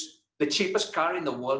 mobil yang paling murah di dunia